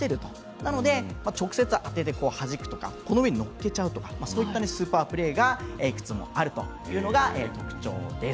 なので、直接当ててはじくとかこの上に乗っけちゃうとかそういったスーパープレーがいくつもあるというのが特徴です。